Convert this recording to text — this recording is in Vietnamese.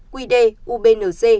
quy đề ubnd